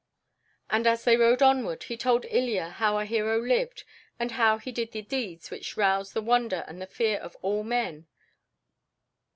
And as they rode onward he told Ilya how a hero lived and how he did the deeds which roused the wonder and the fear of all men.